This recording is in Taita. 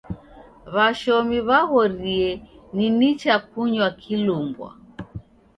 W'ashomi w'aghorie ni nicha kunywa kilumbwa.